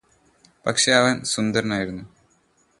പക്ഷെ അവൻ സുന്ദരനായിരുന്നു